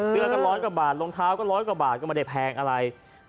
เสื้อก็ร้อยกว่าบาทรองเท้าก็ร้อยกว่าบาทก็ไม่ได้แพงอะไร